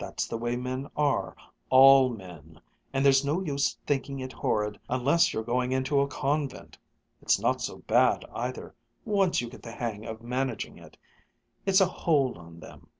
That's the way men are all men and there's no use thinking it horrid unless you're going into a convent. It's not so bad either, once you get the hang of managing it it's a hold on them.